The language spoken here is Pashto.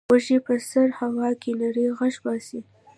وزې په سړه هوا کې نری غږ باسي